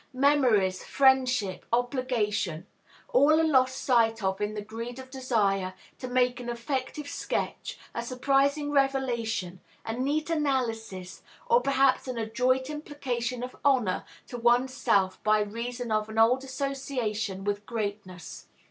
Memory, friendship, obligation, all are lost sight of in the greed of desire to make an effective sketch, a surprising revelation, a neat analysis, or perhaps an adroit implication of honor to one's self by reason of an old association with greatness.